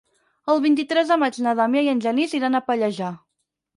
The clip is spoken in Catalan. El vint-i-tres de maig na Damià i en Genís iran a Pallejà.